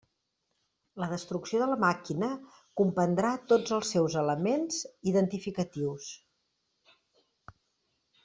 La destrucció de la màquina comprendrà tots els seus elements identificatius.